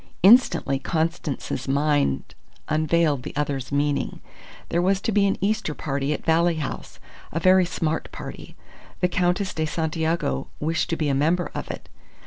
Instantly Constance's mind unveiled the other's meaning. There was to be an Easter party at Valley House a very smart party. The Countess de Santiago wished to be a member of it.